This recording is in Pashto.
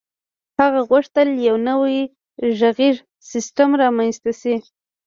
هغه غوښتل یو نوی غږیز سیسټم رامنځته شي